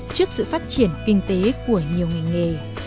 trước sự phát triển kinh tế của nhiều ngành nghề